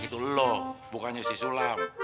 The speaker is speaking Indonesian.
itu lo bukannya si sulam